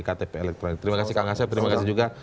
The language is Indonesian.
ktp elektronik terima kasih kak ngasih terima kasih juga